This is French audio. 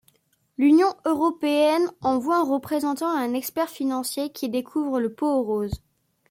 L’Union européenne envoie un représentant et un expert financier qui découvrent le pot-aux-roses.